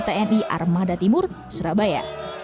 tni armada timur surabaya